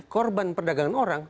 korban perdagangan orang